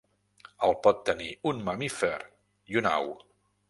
El pot tenir un mamífer i una au.